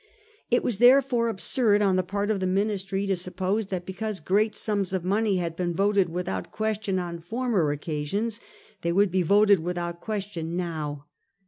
It was therefore absurd on the part of the Ministry to suppose that because great sums of money had been voted without question on former occasions, they would be voted without ques tion now.